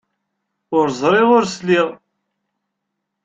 Ur ẓriɣ ur sliɣ.